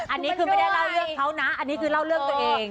อันนี้คือไม่ได้เล่าเรื่องเขานะอันนี้คือเล่าเรื่องตัวเอง